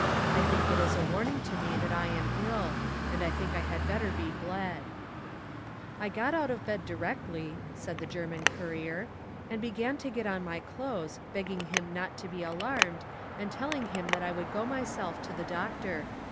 I think it is a warning to me that I am ill; and I think I had better be bled.' I got out of bed directly (said the German courier) and began to get on my clothes, begging him not to be alarmed, and telling him that I would go myself to the doctor.